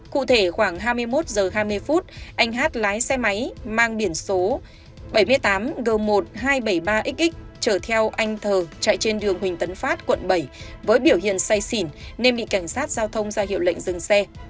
cụ thể khoảng hai mươi một h hai mươi phút anh hát lái xe máy mang biển số bảy mươi tám g một nghìn hai trăm bảy mươi ba x chở theo anh thờ chạy trên đường huỳnh tấn phát quận bảy với biểu hiện say xỉn nên bị cảnh sát giao thông ra hiệu lệnh dừng xe